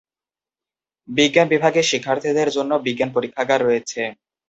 বিজ্ঞান বিভাগের শিক্ষার্থীদের জন্য বিজ্ঞান পরীক্ষাগার রয়েছে।